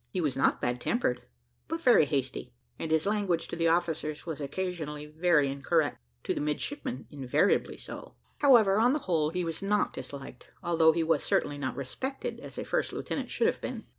He was not bad tempered, but very hasty; and his language to the officers was occasionally very incorrect to the midshipmen invariably so. However, on the whole, he was not disliked, although he was certainly not respected as a first lieutenant should have been.